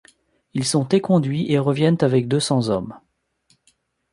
Ils sont éconduits et reviennent avec deux cents hommes.